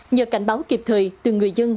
nhờ cảnh báo kịp thời từ người dân